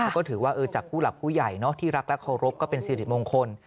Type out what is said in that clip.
ก็ถือว่าจากผู้หลักผู้ใหญ่ที่รักและเคารพก็เป็นสิริมงคล